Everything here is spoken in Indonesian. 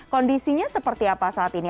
kondisinya seperti apa saat ini